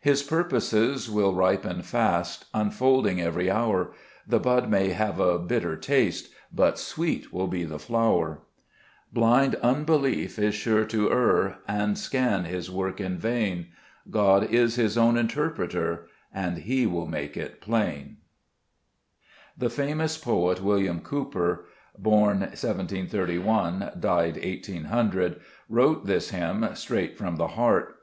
5 His purposes will ripen fast, Unfolding every hour ; The bud may have a bitter taste, But sweet will be the flower. 6 Blind unbelief is sure to err, And scan His work in vain ; God is His own Interpreter, And He will make it plain. 49 £be Meet Cburcb Ib^mns* The famous poet William Cowper (born 1731 , died 1800) wrote this hymn straight from the heart.